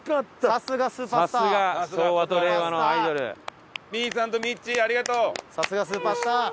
さすがスーパースター！